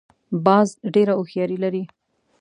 باز ډېره هوښیاري لري